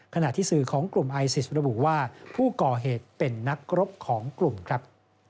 ขณะที่สื่อของกลุ่มไอซิสระบุว่าผู้ก่อเหตุเป็นนักรบของกลุ่มครับ